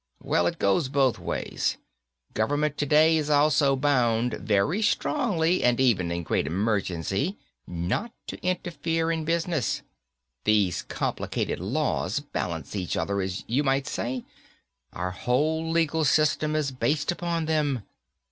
"Well, it goes both ways. Government today is also bound, very strongly, and even in great emergency, not to interfere in business. These complicated laws balance each other, you might say. Our whole legal system is based upon them.